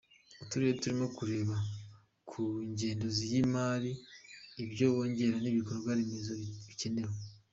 Uturere turimo kureba mu ngengo y’imari ibyo kongera nk’ibikorwa remezo bikenewe.